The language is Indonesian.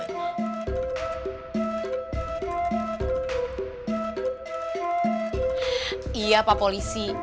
iya pak polisi